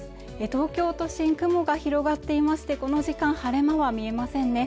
東京都心雲が広がっていましてこの時間晴れ間は見えませんね